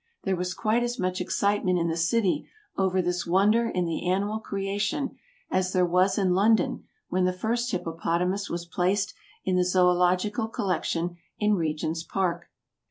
There was quite as much excitement in the city over this wonder in the animal creation as there was in London when the first hippopotamus was placed in the zoölogical collection in Regent's Park.